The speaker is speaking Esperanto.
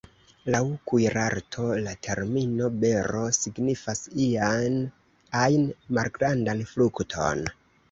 Laŭ kuirarto, la termino ""bero"" signifas ian ajn malgrandan frukton.